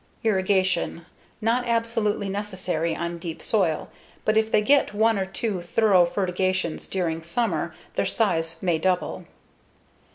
Irrigation: Not absolutely necessary on deep soil, but if they get one or two thorough fertigations during summer their size may double.